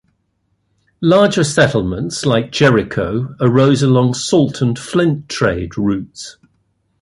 Larger settlements like Jericho arose along salt and flint trade routes.